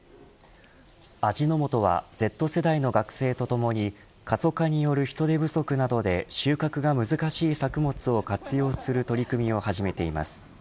味の素はＺ世代の学生とともに過疎化による人手不足などで収穫が難しい作物を活用する取り組みを始めています。